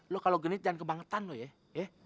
lo kalau genit jangan kebangetan lo ya ya